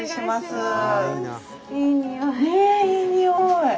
ねえいいにおい！